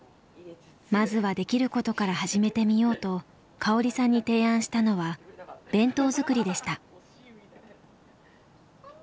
まずはできることから始めてみようと香織さんに提案したのは弁当作りでした。